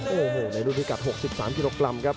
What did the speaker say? โอ้โหในรุ่นพิกัด๖๓กิโลกรัมครับ